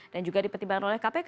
dan juga dipertimbangkan oleh kpk